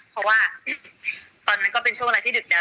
เพราะว่าตอนนั้นก็เป็นช่วงเวลาที่ดึกแล้ว